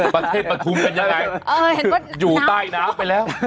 ประเทศปฐุมเป็นยังไงอยู่ใต้น้ำไปแล้ว